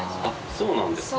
そうなんですか。